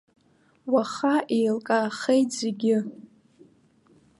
Уаха еилкаахеит зегьы.